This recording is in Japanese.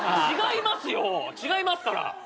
違いますよ違いますから。